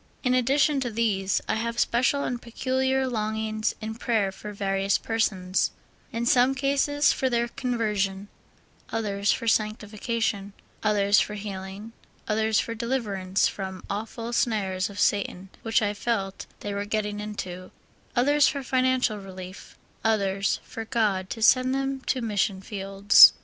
In addi tion to these, I have special and peculiar longings in prayer for various persons ; in some cases for their conversion, others for sanctification, others for healing, others for deliverance from awful snares of Satan which I felt they were getting into, others for financial relief, others for God to send them to mission fields.